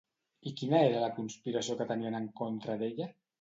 I quina era la conspiració que tenien en contra d'ella?